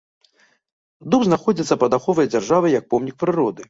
Дуб знаходзіцца пад аховай дзяржавы як помнік прыроды.